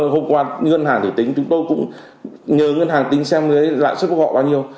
hôm qua ngân hàng thì tính chúng tôi cũng nhớ ngân hàng tính xem lãi suất bốc họ bao nhiêu